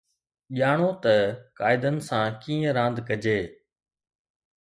ڄاڻو ته قاعدن سان ڪيئن راند ڪجي